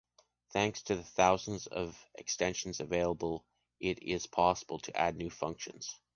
Thanks to the thousands of extensions available, it is possible to add new functions